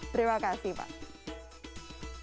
terima kasih pak